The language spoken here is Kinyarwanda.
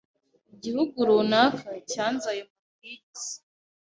Igihugu runaka cyanze ayo mabwiriza,